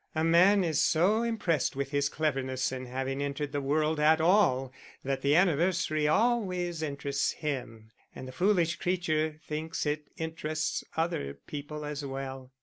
A man is so impressed with his cleverness in having entered the world at all that the anniversary always interests him; and the foolish creature thinks it interests other people as well."